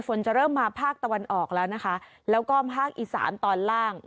ฝนจะเริ่มมาภาคตะวันออกแล้วนะคะแล้วก็ภาคอีสานตอนล่าง